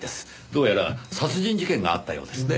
どうやら殺人事件があったようですね。